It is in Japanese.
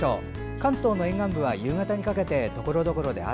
関東の沿岸部は夕方にかけてところどころで雨。